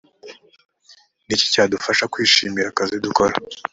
ni iki cyadufasha kwishimira akazi dukora